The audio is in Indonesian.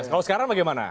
kalau sekarang bagaimana